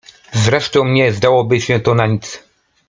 Zresztą nie zdałoby się to na nic!